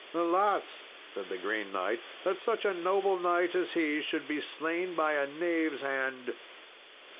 "Alas!" said the Green Knight, "that such a noble knight as he was should be slain by a knave's hand.